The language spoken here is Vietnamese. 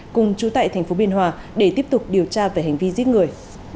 cùng chú tại thành phố biên hòa để tiếp tục điều tra về hành vi giết người